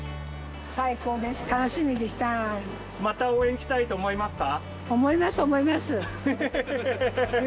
・また応援来たいと思いますか？